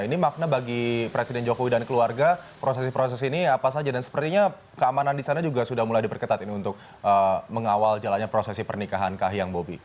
ini makna bagi presiden jokowi dan keluarga prosesi proses ini apa saja dan sepertinya keamanan di sana juga sudah mulai diperketat ini untuk mengawal jalannya prosesi pernikahan kahiyang bobi